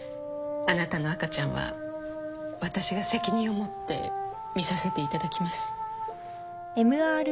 あなたの赤ちゃんは私が責任を持って診させていただきます。